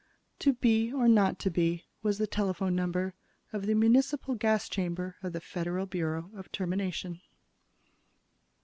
"To be or not to be" was the telephone number of the municipal gas chambers of the Federal Bureau of Termination.